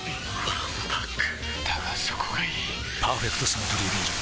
わんぱくだがそこがいい「パーフェクトサントリービール糖質ゼロ」